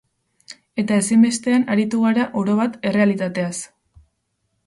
Eta ezinbestean aritu gara, orobat, errealitateaz.